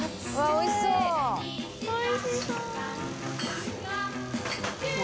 おいしそう。